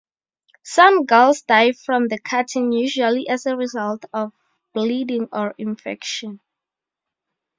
Some girls die from the cutting, usually as a result of bleeding or infection.